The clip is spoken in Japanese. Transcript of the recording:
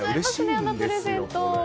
あんなプレゼント。